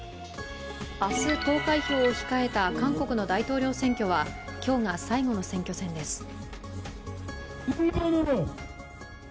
明日、投開票を控えた韓国の大統領選挙は今日が最後の選挙戦です。